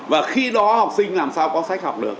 và khi đó học sinh làm sao có sách học được